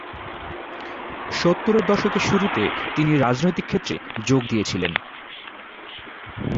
সত্তরের দশকের শুরুতে তিনি রাজনৈতিক ক্ষেত্রে যোগ দিয়েছিলেন।